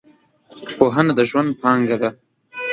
پوهنه د ژوند پانګه ده .